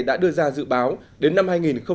đã đưa ra dự báo đến năm hai nghìn hai mươi